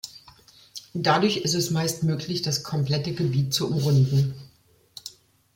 Dadurch ist es meist möglich, das komplette Gebiet zu umrunden.